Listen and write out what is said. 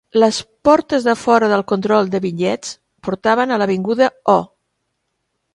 Les portes de fora del control de bitllets portaven a l'avinguda O.